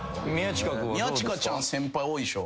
宮近ちゃん先輩多いでしょ。